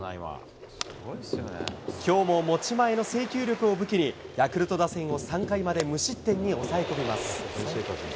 きょうも持ち前の制球力を武器に、ヤクルト打線を３回まで無失点に抑え込みます。